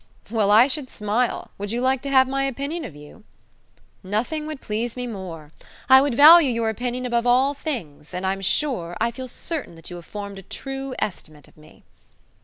"Well, I should smile! Would you like to have my opinion of you?" "Nothing would please me more. I would value your opinion above all things, and I'm sure I feel certain that you have formed a true estimate of me."